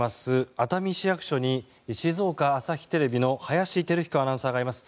熱海市役所に静岡朝日テレビの林輝彦アナウンサーがいます。